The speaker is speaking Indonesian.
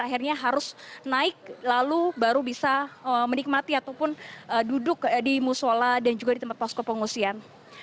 akhirnya harus naik lalu baru bisa menikmati ataupun duduk di musola dan juga di tempat posko pengungsian